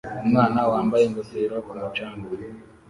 umwana wambaye ingofero ku mucanga